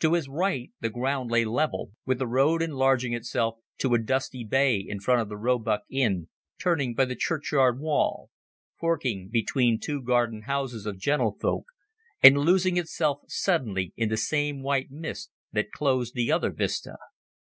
To his right the ground lay level, with the road enlarging itself to a dusty bay in front of the Roebuck Inn, turning by the churchyard wall, forking between two gardened houses of gentlefolk, and losing itself suddenly in the same white mist that closed the other vista.